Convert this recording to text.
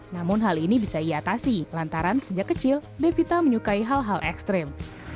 namun hal ini bisa ia atasi lantaran sejak kecil devita menyukai hal hal ekstrim